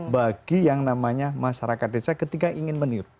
bagi yang namanya masyarakat desa ketika ingin meniru